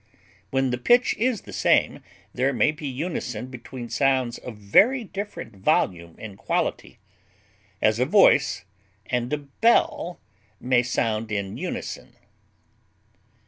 When the pitch is the same, there may be unison between sounds of very different volume and quality, as a voice and a bell may sound in unison.